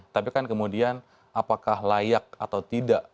tapi kan kemudian apakah layak atau tidak